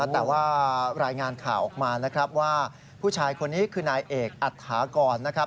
แต่ว่ารายงานข่าวออกมานะครับว่าผู้ชายคนนี้คือนายเอกอัฐากรนะครับ